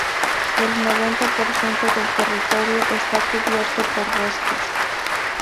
El noventa por ciento del territorio está cubierto por bosques.